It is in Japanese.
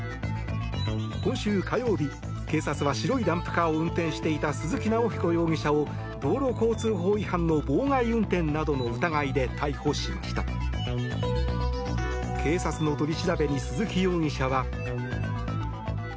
今週火曜日、警察は白いダンプカーを運転していた鈴木尚彦容疑者を道路交通法違反の妨害運転などの疑いで逮捕しました。